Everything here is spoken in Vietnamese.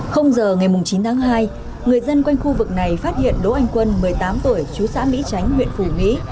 giờ ngày chín tháng hai người dân quanh khu vực này phát hiện đỗ anh quân một mươi tám tuổi chú xã mỹ tránh huyện phủ mỹ